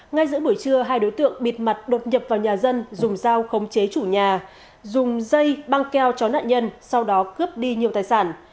ngay giữa buổi trưa hai đối tượng bịt mặt đột nhập vào nhà dân dùng dao khống chế chủ nhà dùng dây băng keo chó nạn nhân sau đó cướp đi nhiều tài sản